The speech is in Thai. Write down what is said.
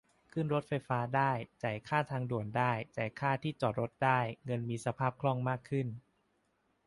ขึ้นรถไฟฟ้าได้ จ่ายค่าทางด่วนได้ จายค่าที่จอดรถได้ - เงินมีสภาพคล่องมากขึ้น